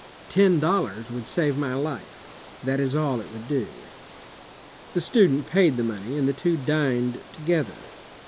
"Ten dollars would save my life; that is all it would do." The student paid the money, and the two dined to gether.